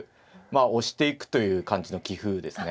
あ押していくという感じの棋風ですね。